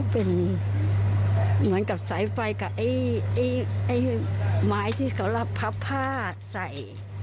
เป็นเหมือนกับสายไฟกับไอ้ไม้ที่เขารับพับผ้าใส่